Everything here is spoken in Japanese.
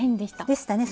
でしたね。